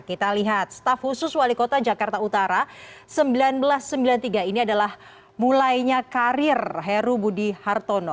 kita lihat staf khusus wali kota jakarta utara seribu sembilan ratus sembilan puluh tiga ini adalah mulainya karir heru budi hartono